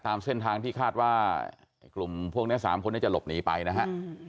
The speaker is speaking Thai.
ตามเส้นทางที่คาดว่าไอ้กลุ่มพวกนี้๓คนนี้จะหลบหนีไปนะฮะ